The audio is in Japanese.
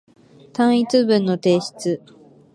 単一文の提出